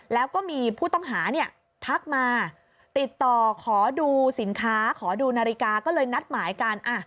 แล้วก็มีผู้ต้องหาทักมาติดต่อขอดูสินค้าขอดูนาฬิกาก็เลยนัดหมายกัน